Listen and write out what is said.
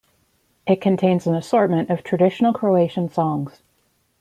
It contains an assortment of traditional Croatian songs.